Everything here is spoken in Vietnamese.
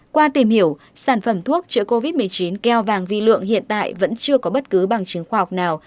qua tìm hiểu sản phẩm thuốc chữa covid một mươi chín keo vàng vi lượng hiện tại vẫn chưa có bất cứ bằng chứng khoa học nào